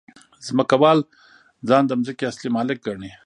ځمکوال ځان د ځمکې اصلي مالک ګڼي